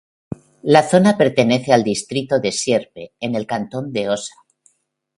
La zona pertenece al distrito de Sierpe, en el cantón de Osa.